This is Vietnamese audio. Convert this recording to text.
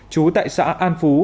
chú tại xã an phú